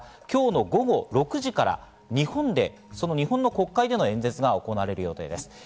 今日の午後６時から日本で、その国会での演説が行われる予定です。